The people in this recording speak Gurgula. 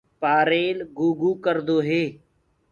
پآريل گھوگھو ڪردو هي۔